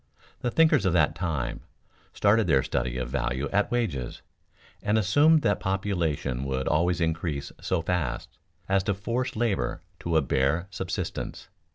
The thinkers of that time started their study of value at wages, and assumed that population would always increase so fast as to force labor to a bare subsistence.